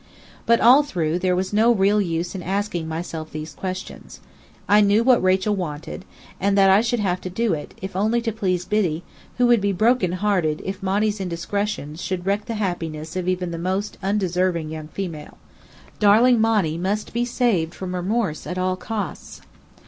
But all through, there was no real use in asking myself these questions. I knew what Rachel wanted, and that I should have to do it, if only to please Biddy, who would be broken hearted if Monny's indiscretions should wreck the happiness of even the most undeserving young female. Darling Monny must be saved from remorse at all costs!